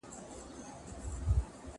زه به سبا لیکل کوم؟